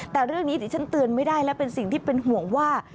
แต่เรื่องนี้ดิฉันเตือนไม่ได้และเป็นสิ่งที่เป็นห่วงว่า